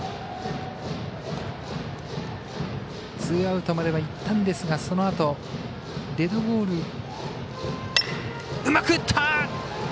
ツーアウトまではいったんですがそのあとデッドボール。